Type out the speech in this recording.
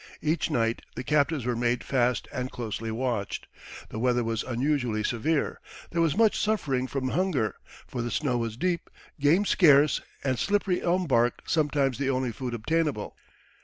Each night the captives were made fast and closely watched. The weather was unusually severe; there was much suffering from hunger, for the snow was deep, game scarce, and slippery elm bark sometimes the only food obtainable.